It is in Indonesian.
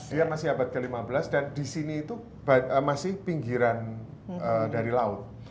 dia masih abad ke lima belas dan di sini itu masih pinggiran dari laut